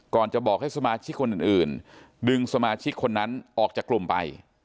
จะบอกให้สมาชิกคนอื่นดึงสมาชิกคนนั้นออกจากกลุ่มไป